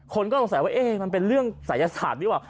คนก็ต้องใส่ว่ามันเป็นเรื่องศัยศาสตร์ดีกว่า